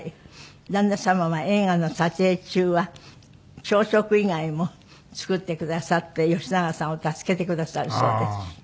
旦那様は映画の撮影中は朝食以外も作ってくださって吉永さんを助けてくださるそうです。